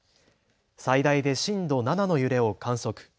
最大で震度７の揺れを観測。